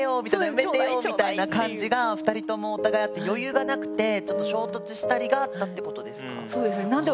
埋めてよみたいな感じが２人ともお互いあって余裕がなくてちょっと衝突したりがあったってことですか？